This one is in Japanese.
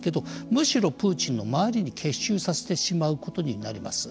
むしろプーチンの周りに結集させてしまうことになります。